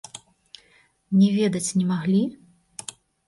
Не ведаць не маглі?